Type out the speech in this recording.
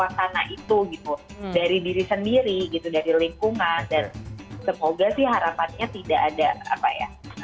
dari diri sendiri gitu dari lingkungan dan semoga sih harapannya tidak ada apa ya